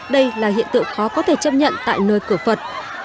đây là hiện tượng khó có thể chấp nhận tại nơi cửa phật